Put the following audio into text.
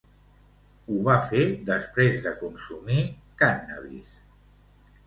Ho va fer després de consumir cànnabis.